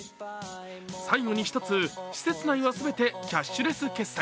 最後に１つ、施設内は全てキャッシュレス決済。